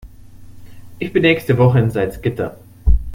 Ich bin nächste Woche in Salzgitter